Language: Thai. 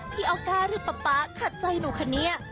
พี่เอาค่าหรือป๊าป๊าขาดใจเหนื่อย